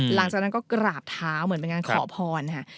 หลังจากนั้นก็กราบเท้าเหมือนเป็นการขอพรค่ะ